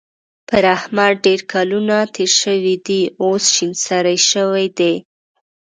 پر احمد ډېر کلونه تېر شوي دي؛ اوس شين سری شوی دی.